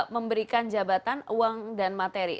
memberikan jabatan uang dan materi